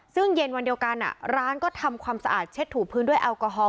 ซึ่งเย็นวันเดียวกันร้านก็ทำความสะอาดเช็ดถูพื้นด้วยแอลกอฮอล